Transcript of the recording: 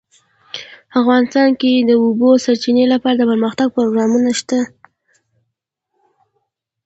افغانستان کې د د اوبو سرچینې لپاره دپرمختیا پروګرامونه شته.